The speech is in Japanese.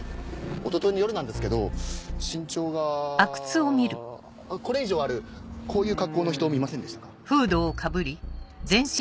一昨日の夜なんですけど身長がこれ以上あるこういう格好の人見ませんでしたか？